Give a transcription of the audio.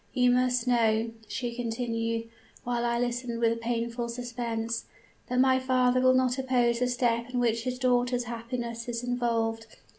You must know,' she continued, while I listened with painful suspense, 'that my father will not oppose a step in which his daughter's happiness is involved.